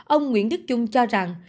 ông nguyễn đức trung cho rằng